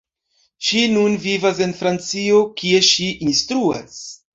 Ŝi nun vivas en Francio kie ŝi instruas.